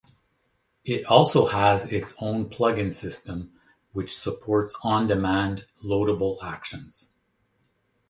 It also has its own plugin system which supports on-demand loadable actions.